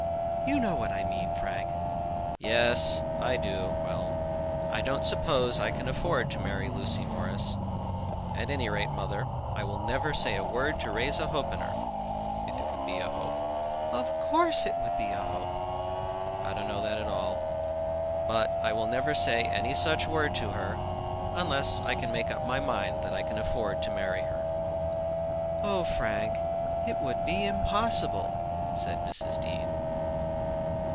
"You know what I mean, Frank." "Yes I do; well. I don't suppose I can afford to marry Lucy Morris. At any rate, mother, I will never say a word to raise a hope in her, if it would be a hope " "Of course it would be a hope." "I don't know that at all. But I will never say any such word to her, unless I make up my mind that I can afford to marry her." "Oh, Frank, it would be impossible!" said Mrs. Dean.